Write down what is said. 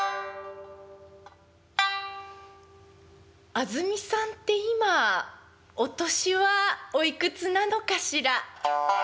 「あずみさんって今お年はおいくつなのかしら？」。